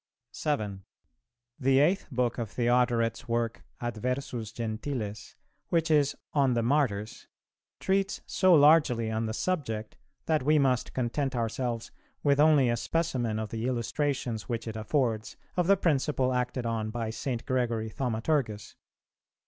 7. The eighth book of Theodoret's work Adversus Gentiles, which is "On the Martyrs," treats so largely on the subject, that we must content ourselves with only a specimen of the illustrations which it affords, of the principle acted on by St. Gregory Thaumaturgus.